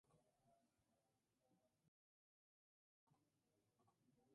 La capital del territorio es Mata-Utu, en la isla de Wallis.